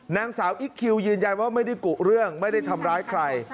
นางสาวอิ๊กคิวยืนยันว่าไม่ได้กุเรื่องไม่ได้ทำร้ายใคร